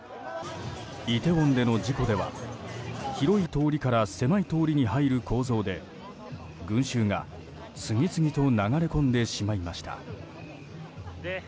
イテウォンの事故では広い通りから狭い通りに入る構造で群衆が次々と流れ込んでしまいました。